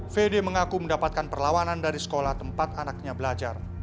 vd mengaku mendapatkan perlawanan dari sekolah tempat anaknya belajar